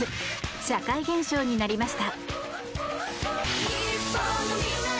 社会現象になりました。